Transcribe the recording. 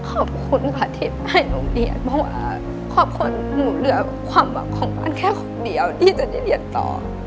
ว่าสุดค่ะหนึ่งก็ตั้งใจเรียนค่ะ